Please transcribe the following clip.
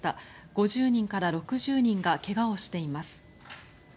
５０人から６０人が怪我をしています。